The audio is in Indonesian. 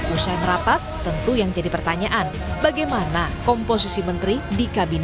usai merapat tentu yang jadi pertanyaan bagaimana komposisi menteri di kabinet